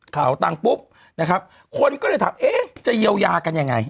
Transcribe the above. ข่าวตังปุ๊บนะครับคนก็เลยถามเอ๊ะจะเยียวยากันยังไง